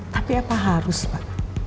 tapi apa harus pak